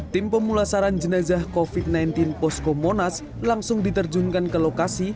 tim pemulasaran jenazah covid sembilan belas posko monas langsung diterjunkan ke lokasi